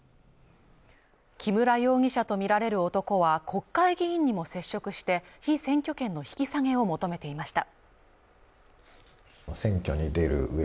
木村容疑者とみられる男は国会議員にも接触して、被選挙権の引き下げを求めていました。